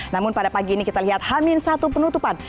namun pada pagi ini kita lihat hamin satu penutupan